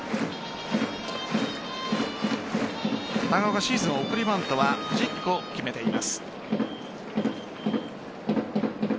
長岡、シーズン送りバントは１０個決めています。